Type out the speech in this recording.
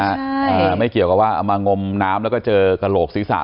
อ่าไม่เกี่ยวกับว่าเอามางมน้ำแล้วก็เจอกระโหลกศีรษะ